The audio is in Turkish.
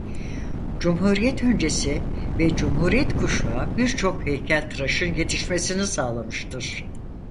Cumhuriyet öncesi ve Cumhuriyet kuşağı birçok heykeltıraşın yetişmesini sağlamıştır.